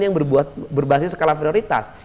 yang berbasis skala prioritas